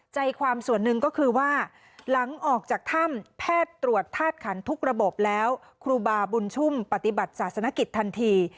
ใจความส่วนหนึ่งก็คือว่าหลังออกจากถ้ำแพทย์ตรวจธาตุขันทุกระบบแล้วครูบาบุญชุ่มปฏิบัติศาสนกิจทันที